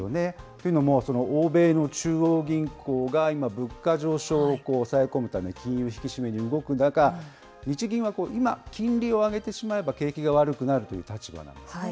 というのも欧米の中央銀行が今、物価上昇を抑え込むため、金融引き締めに動く中、日銀は今、金利を上げてしまえば景気が悪くなるという立場なんですね。